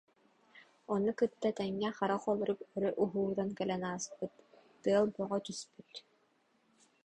Ону кытта тэҥҥэ хара холорук өрө уһууран кэлэн ааспыт, тыал бөҕө түспүт